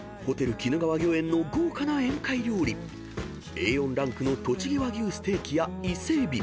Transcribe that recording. ［Ａ４ランクのとちぎ和牛ステーキや伊勢海老］